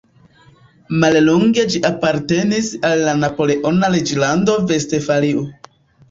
Mallonge ĝi apartenis al la napoleona reĝlando Vestfalio.